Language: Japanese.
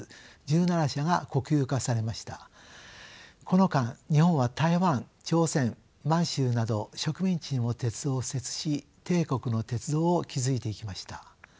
この間日本は台湾朝鮮満州など植民地にも鉄道を敷設し帝国の鉄道を築いていきました。